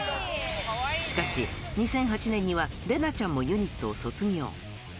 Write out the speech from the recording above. しかし、２００８年にはレナちゃんもユニットを卒業。